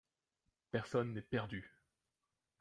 Personne n’est perdu !